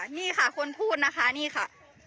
นี่ค่ะคนพูดนะคะนี่ค่ะ